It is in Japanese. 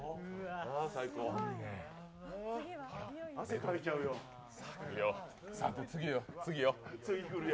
汗かいちゃうよ。